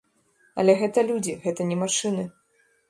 Але гэта людзі, гэта не машыны.